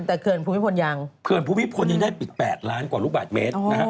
แต่เขื่อนภูมิพลยังเขื่อนภูมิพลยังได้ปิด๘ล้านกว่าลูกบาทเมตรนะฮะ